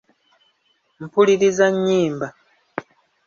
Mpuliriza nnyimba.